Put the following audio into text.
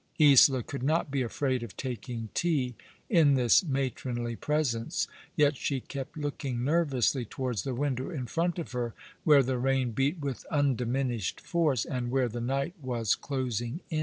Isola could not be afraid of taking tea in this matronly presence, yet she kept looking nervously towards the window in front of her, where the rain beat with undiminished force, and where the night vras closing in.